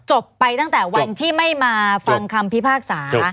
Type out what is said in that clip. ไปตั้งแต่วันที่ไม่มาฟังคำพิพากษา